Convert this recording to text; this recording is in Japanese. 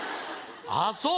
あっそう！